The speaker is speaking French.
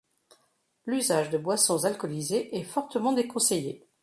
L'usage de boissons alcoolisées est fortement déconseillé.